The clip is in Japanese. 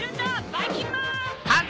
ばいきんまん！